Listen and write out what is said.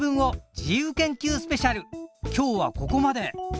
今日はここまで。